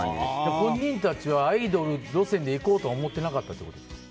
本人たちはアイドル路線でいこうとは思ってなかったんですね。